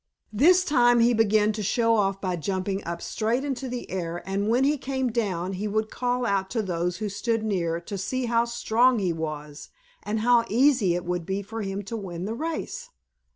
This time he began to show off by jumping up straight into the air, and when he came down he would call out to those who stood near to see how strong he was and how easy it would be for him to win the race.